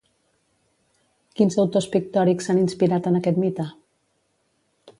Quins autors pictòrics s'han inspirat en aquest mite?